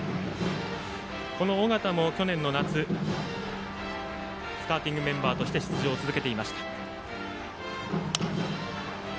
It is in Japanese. この尾形も去年の夏スターティングメンバーとして出場を続けていました。